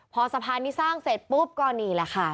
พอสะพานนี้สร้างเสร็จปุ๊บก็นี่แหละค่ะ